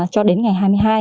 cho đến ngày hai mươi hai